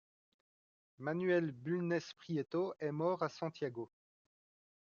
Manuel Bulnes Prieto est mort à Santiago.